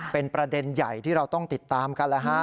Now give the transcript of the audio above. เป็นประเด็นใหญ่ที่เราต้องติดตามกันแล้วฮะ